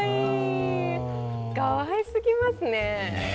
かわいすぎますね。